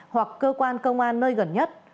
hoặc cơ quan công an nơi gần nhất